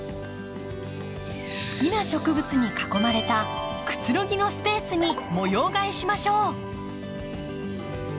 好きな植物に囲まれたくつろぎのスペースに模様替えしましょう！